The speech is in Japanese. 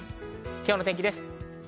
今日の天気です。